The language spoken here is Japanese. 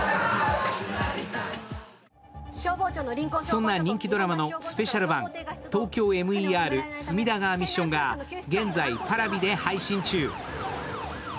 そんな人気ドラマのスペシャル版、「ＴＯＫＹＯＭＥＲ隅田川ミッション」が現在、Ｐａｒａｖｉで配信中。